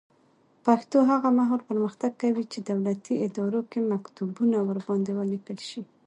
پښتو هغه مهال پرمختګ کوي چې دولتي ادارو کې مکتوبونه ورباندې ولیکل شي.